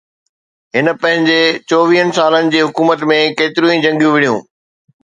هن پنهنجي چوويهه سالن جي حڪومت ۾ ڪيتريون ئي جنگيون وڙهيون